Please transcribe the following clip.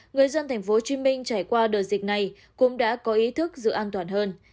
người dân tp hcm trải qua đợt dịch này cũng đã có ý thức giữ an toàn hơn